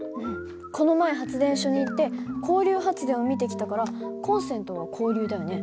この前発電所に行って交流発電を見てきたからコンセントは交流だよね。